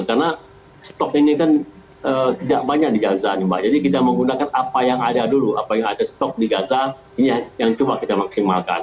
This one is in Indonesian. karena stok ini kan tidak banyak di gaza jadi kita menggunakan apa yang ada dulu apa yang ada stok di gaza yang coba kita maksimalkan